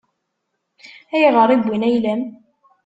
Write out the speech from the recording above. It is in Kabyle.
Ayɣer i wwin ayla-m?